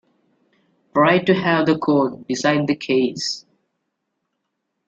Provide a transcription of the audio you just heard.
Try to have the court decide the case.